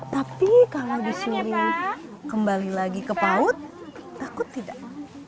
tapi kalau disuruh kembali lagi ke paut takut tidak